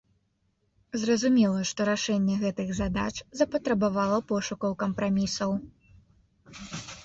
Зразумела, што рашэнне гэтых задач запатрабавала пошукаў кампрамісаў.